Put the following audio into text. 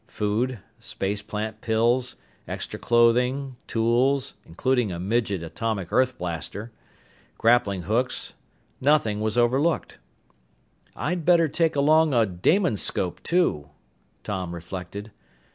Food, space plant pills, extra clothing, tools, including a midget atomic earth blaster, grappling hooks nothing was overlooked. "I'd better take along a Damonscope too," Tom reflected.